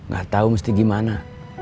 gak tau mesti gimana